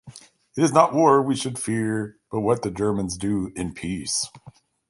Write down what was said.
It's not war we should fear, but what the Germans do in peace.